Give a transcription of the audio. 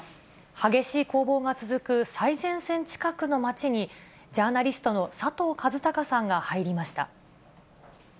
激しい攻防が続く最前線近くの町に、ジャーナリストの佐藤和孝さんが入りました。